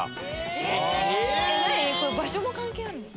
これ場所も関係あるの？